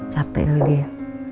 capek lagi ya